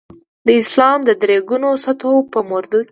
د اسلام د درې ګونو سطحو په مورد کې.